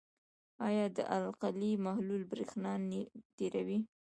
آیا د القلي محلول برېښنا تیروي؟